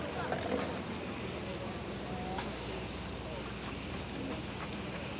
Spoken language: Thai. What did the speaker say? สวัสดีครับทุกคน